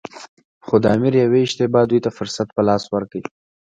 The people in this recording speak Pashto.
خو د امیر یوې اشتباه دوی ته فرصت په لاس ورکړ.